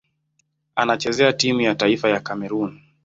Anachezea timu ya taifa ya Kamerun.